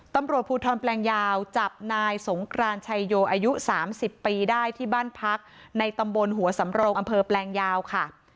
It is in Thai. ตำรวจภูทรแปลงยาวจับนายสงกรานชัยโยอายุ๓๐ปีได้ที่บ้านพักในตำบลหัวสำโรงอำเภอแปลงยาวค่ะ